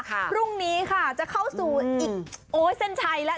พรุ่งนี้ค่ะจะเข้าสู่อีกโอ๊ยเส้นชัยแล้ว